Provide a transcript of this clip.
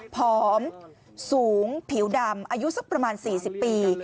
ผอมสูงผิวดำอายุสักประมาณ๔๐ปี